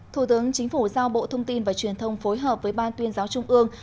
thủ tướng chính phủ giao bộ thông tin và truyền thông phối hợp với ban tuyên giáo trung ương